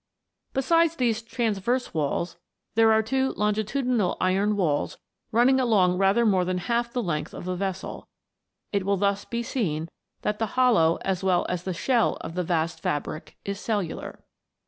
Besides these trans verse walls, there are two longitudinal iron walls running along rather more than half the length of the vessel ; it will thus be seen that the hollow as well as the shell of the vast fabric is cellular.